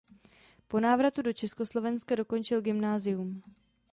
Po návratu do Československa dokončil gymnázium.